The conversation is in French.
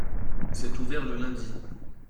c'est ouvert le lundi.